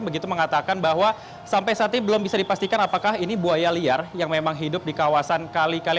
begitu mengatakan bahwa sampai saat ini belum bisa dipastikan apakah ini buaya liar yang memang hidup di kawasan kali kali